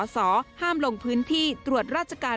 ห้ามลงพื้นที่ตรวจราชการ